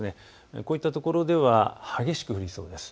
こういったところでは激しく降りそうです。